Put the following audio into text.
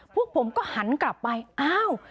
พวกผมก็หันกลับไปอ้าว